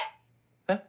えっ？